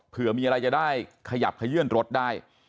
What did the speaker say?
เผื่อมีอะไรจะได้ขยับขยื่นรถได้